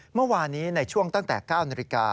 เมื่อวานนี้ในช่วงตั้งแต่๙นาฬิกา